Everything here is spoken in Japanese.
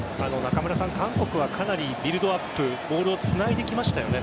韓国は、かなりビルドアップボールをつないできましたよね。